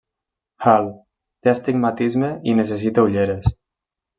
Hal, té astigmatisme i necessita ulleres.